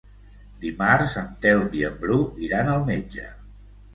Dimarts en Telm i en Bru iran al metge.